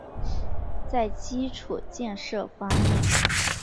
在基础建设方面